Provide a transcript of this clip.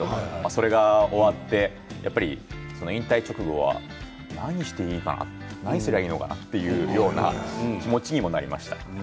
それが終わって引退直後は何していいかな何すりゃいいのかなというような気持ちにもなりました。